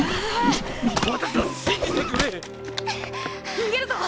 逃げるぞ！